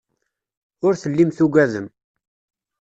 Ur tellim tugadem.